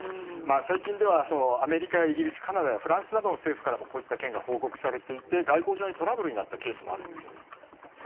最近ではアメリカやイギリス、カナダやフランスの政府からもこういった件が報告されていて外交上のトラブルになったケースもあるんですよ。